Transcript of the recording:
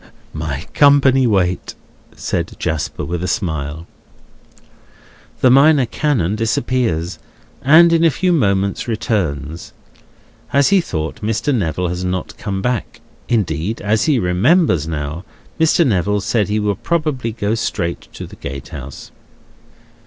"My company wait," said Jasper, with a smile. The Minor Canon disappears, and in a few moments returns. As he thought, Mr. Neville has not come back; indeed, as he remembers now, Mr. Neville said he would probably go straight to the gatehouse.